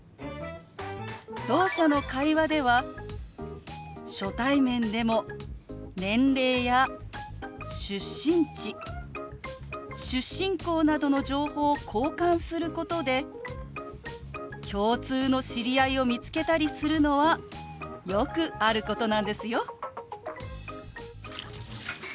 ろう者の会話では初対面でも年齢や出身地出身校などの情報を交換することで共通の知り合いを見つけたりするのはよくあることなんですよ。